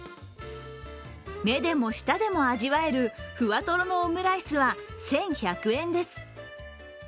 目でも舌でも味わえる、ふわトロのオムライスは１１００円です。